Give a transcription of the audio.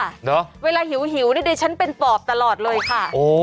เหรอเวลาหิวนี่ดิฉันเป็นปอบตลอดเลยค่ะโอ้